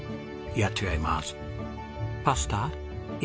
いや違います。